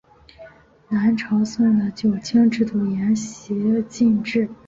南朝宋的九卿制度沿袭晋制。